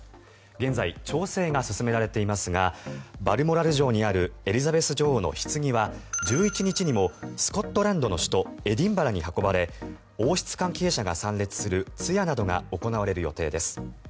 現在、調整が進められていますがバルモラル城にあるエリザベス女王のひつぎは１１日にもスコットランドの首都エディンバラに運ばれ王室関係者が参列する通夜などが行われる予定です。